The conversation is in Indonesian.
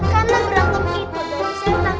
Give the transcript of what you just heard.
karena berantem itu dari setan